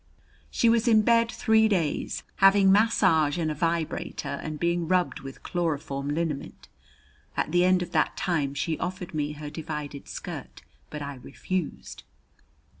She was in bed three days, having massage and a vibrator and being rubbed with chloroform liniment. At the end of that time she offered me her divided skirt, but I refused.